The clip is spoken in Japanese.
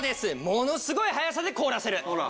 ものすごい速さで凍らせる！